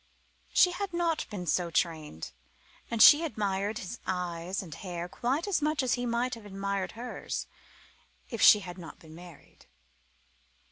She had not been so trained, and she admired his eyes and hair quite as much as he might have admired hers if she had not been married.